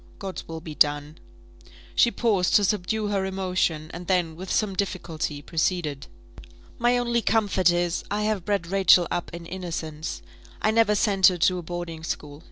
God's will be done!" She paused to subdue her emotion, and then, with some difficulty, proceeded. "My only comfort is, I have bred Rachel up in innocence; I never sent her to a boarding school.